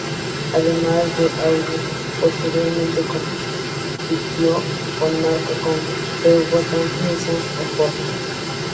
Además de Audi, posteriormente compitió con marcas como Peugeot, Nissan, o Ford.